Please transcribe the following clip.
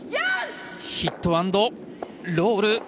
ヒット・アンド・ロール。